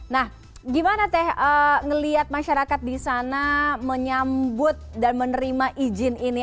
nah gimana teh ngelihat masyarakat di sana menyambut dan menerima izin ini